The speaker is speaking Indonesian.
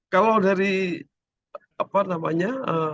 kalau dari apa namanya